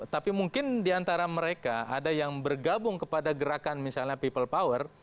tapi mungkin diantara mereka ada yang bergabung kepada gerakan misalnya people power